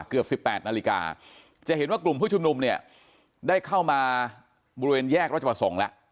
เกือบ๑๘นาฬิกาจะเห็นว่ากลุ่มผู้ชุมนุมเนี่ยได้เข้ามาบริเวณแยกรัชประสงค์แล้ว